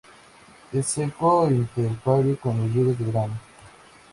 Es seco estepario con lluvias en verano.